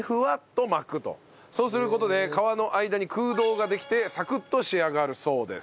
そうする事で皮の間に空洞ができてサクッと仕上がるそうです。